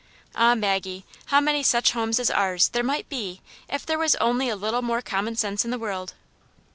'* Ah, Maggie, how many such homes as ours there might be if there was only a little more com mon sense in the world."